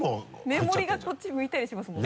目盛りがこっち向いたりしてますもんね。